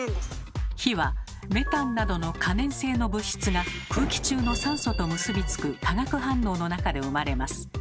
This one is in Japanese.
火はメタンなどの可燃性の物質が空気中の酸素と結びつく化学反応の中で生まれます。